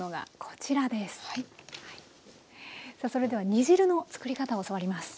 さあそれでは煮汁の作り方を教わります。